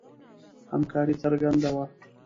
همکاري څرګنده وه.